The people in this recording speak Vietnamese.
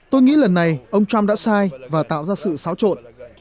tôi nghĩ lần này ông trump đã sai và tạo ra sự xáo trộn